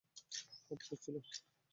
হ্যাঁ, পড়েছিল।